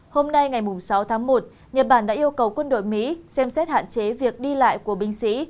hôm nay ngày sáu tháng một nhật bản đã yêu cầu quân đội mỹ xem xét hạn chế việc đi lại của binh sĩ